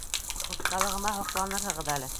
Оҫталығыма һоҡланырһығыҙ әле!